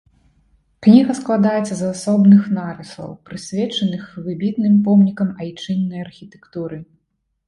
Кніга складаецца з асобных нарысаў, прысвечаных выбітным помнікам айчыннай архітэктуры.